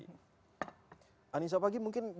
anissa fagy mungkin disiapin juga untuk kita